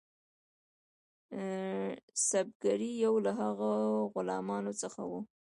سُبکري یو له هغو غلامانو څخه وو.